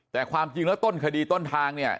แต่ความจริงแล้วต้นคดีต้นทางเนี่ย